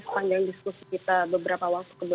sepanjang diskusi kita beberapa waktu